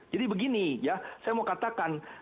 jadi begini ya saya mau katakan